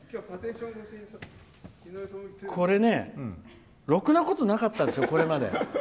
これね、ろくなことなかったですよ、これまで。